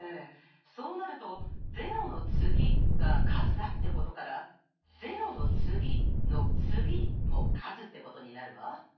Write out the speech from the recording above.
そうなると「『０の次』が数だ」ってことから「『の次』も数」ってことになるわ。